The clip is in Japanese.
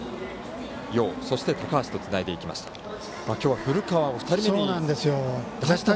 そして高橋とつないでいきました。